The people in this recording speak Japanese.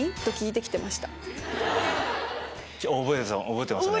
覚えてますね。